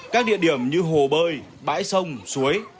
các địa điểm như hồ bơi bãi sông suối